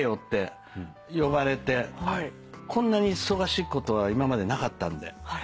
こんなに忙しいことは今までなかったんで。